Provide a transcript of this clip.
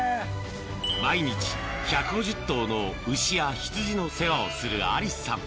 毎日１５０頭の牛や羊の世話をする愛梨朱さん